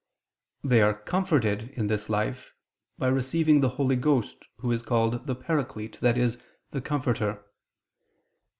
They are "comforted" in this life, by receiving the Holy Ghost, Who is called the "Paraclete," i.e. the Comforter.